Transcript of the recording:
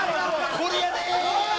これやで！